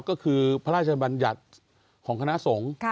ก็คือพระราชบัญญัติของคณะสงฆ์